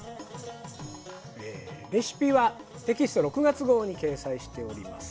レシピはテキスト６月号に掲載しております。